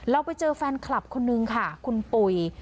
เราไปเจอแฟนคลับคนนึงค่ะคุณปุ๋ย